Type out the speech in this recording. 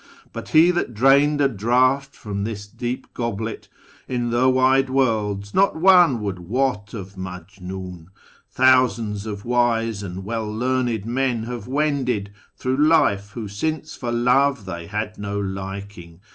But that he drained a draught from this deep goblet, In the wide worlds not one would wot of Majmin. Thousands of wise and welldearned men have wended Through life, who, since for love they had no liking.